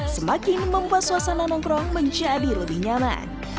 semakin membuat suasana nongkrong menjadi lebih nyaman